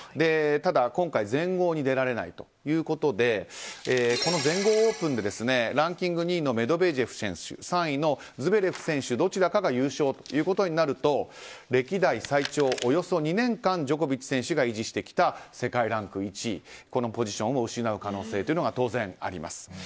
ただ、今回全豪に出られないということでこの全豪オープンでランキング２位のメドベージェフ選手３位のズベレフ選手どちらかが優勝となると歴代最長およそ２年間ジョコビッチ選手が維持してきた世界ランク１位このポジションを失う可能性が当然、あります。